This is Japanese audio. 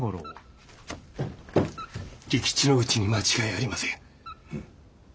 利吉のうちに間違いありません。